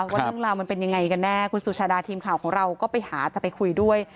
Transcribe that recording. ว่าเรื่องราวมันเป็นยังไงกันแน่คุณสุชาดาทีมข่าวของเราก็ไปหาจะไปคุยด้วย